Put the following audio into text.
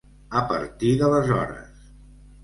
A partir d'aleshores.